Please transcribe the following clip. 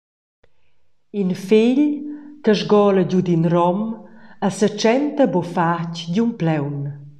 In fegl che sgola giu d’in rom e setschenta bufatg giun plaun.